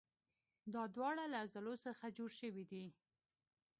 دا دواړه له عضلو څخه جوړ شوي دي.